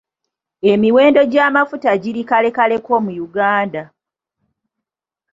Emiwendo gy'amafuta giri kalekaleko mu Uganda.